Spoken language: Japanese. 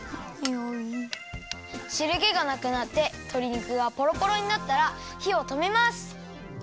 しるけがなくなってとり肉がポロポロになったらひをとめます！